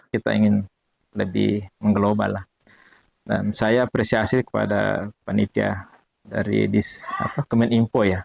kita ingin lebih mengglobal dan saya apresiasi kepada panitia dari kemeninpo